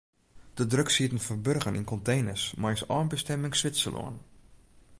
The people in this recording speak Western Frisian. De drugs sieten ferburgen yn konteners mei as einbestimming Switserlân.